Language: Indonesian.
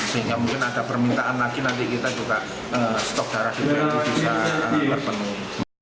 sehingga mungkin ada permintaan lagi nanti kita juga stok darah di pmi bisa berpenuh